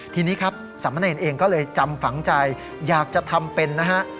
ทีนี้ครับสามเณรเองก็เลยจำฝังใจอยากจะทำเป็นนะฮะ